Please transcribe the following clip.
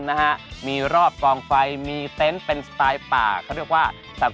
ตามแอฟผู้ชมห้องน้ำด้านนอกกันเลยดีกว่าครับ